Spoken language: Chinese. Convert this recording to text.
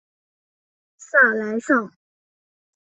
萨莱尚。